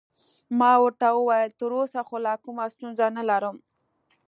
ما ورته وویل: تراوسه خو لا کومه ستونزه نلرم.